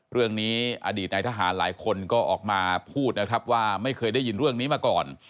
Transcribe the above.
อดีตในทหารหลายคนก็ออกมาพูดนะครับว่าไม่เคยได้ยินเรื่องนี้มาก่อน